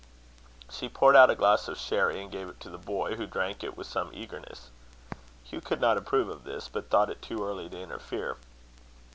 She poured out a glass of sherry, and gave it to the boy, who drank it with some eagerness. Hugh could not approve of this, but thought it too early to interfere.